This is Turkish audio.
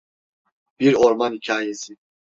Bir Orman Hikayesi.